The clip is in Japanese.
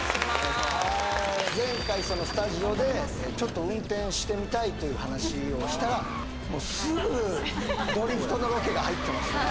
前回スタジオでちょっと運転してみたいという話をしたらもうすぐドリフトのロケが入ってましたね